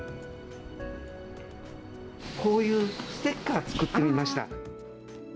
こういうステッカー作ってみました。